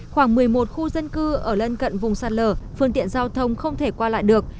khoảng một mươi một khu dân cư ở lân cận vùng sạt lở phương tiện giao thông không thể qua lại được